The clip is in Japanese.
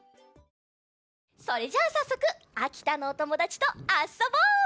それじゃあさっそくあきたのおともだちとあそぼう！